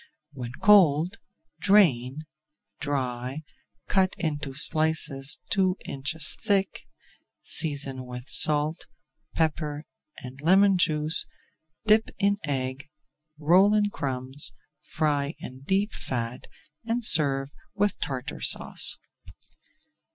When cold, drain, dry, cut into slices two inches thick, season with salt, pepper, and lemon juice, dip in egg, roll in crumbs, fry in deep fat, and serve with Tartar Sauce.